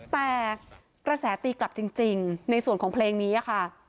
แต่กระแสตีกลับจริงในส่วนของเพลงนี้ค่ะ